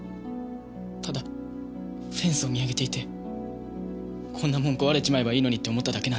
ただフェンスを見上げていてこんなもん壊れちまえばいいのにって思っただけなんです。